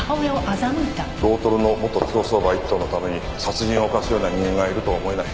ロートルの元競走馬１頭のために殺人を犯すような人間がいるとは思えない。